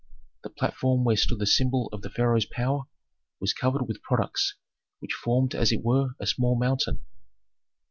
The platform where stood the symbol of the pharaoh's power was covered with products which formed as it were a small mountain.